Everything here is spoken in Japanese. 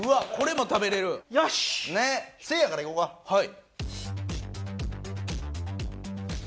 はい。